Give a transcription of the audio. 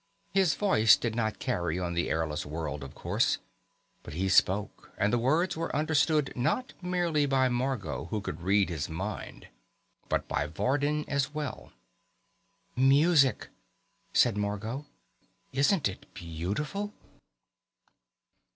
His voice did not carry on the airless world, of course. But he spoke, and the words were understood, not merely by Margot, who could read his mind, but by Vardin as well. "Music," said Margot. "Isn't it beautiful?"